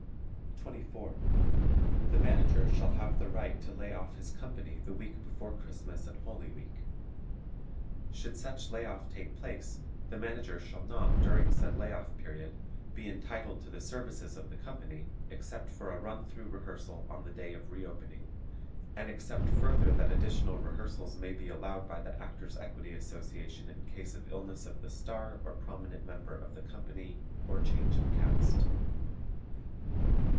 24. The Manager shall have the right to lay off his company the week before Christmas and Holy Week. Should such lay off take place the Manager shall not during said lay off period be entitled to the services of the company except for a run through rehearsal on the day of re opening, and except further that additional rehearsals may be allowed by the Actors' Equity Association in case of illness of the star or prominent member of the company or change of cast. 25.